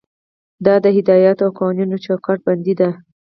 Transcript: دا د هدایاتو او قوانینو چوکاټ بندي ده.